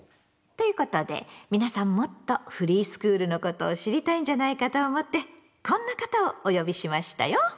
ということで皆さんもっとフリースクールのことを知りたいんじゃないかと思ってこんな方をお呼びしましたよ。